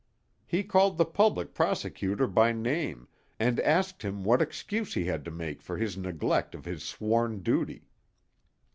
He called the public prosecutor by name, and asked him what excuse he had to make for his neglect of his sworn duty.